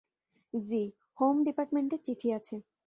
জ্বি, হোম ডিপার্টমেন্টের চিঠি আছে।